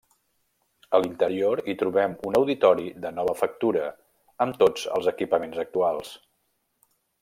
A l'interior hi trobem un auditori de nova factura amb tots els equipaments actuals.